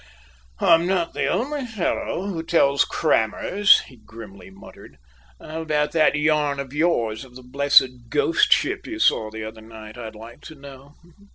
"I'm not the only fellow who tells crammers," he grimly muttered. "How about that yarn of yours of the blessed `ghost ship' you saw the other night, I'd like to know.